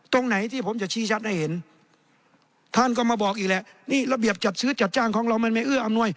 ตรงไหนที่ผมจะชี้ชัดให้เห็นท่านก็มาบอกอีกแหละนี่ระเบียบจัดซื้อจัดจ้างของเรามันไม่เอื้ออำนวย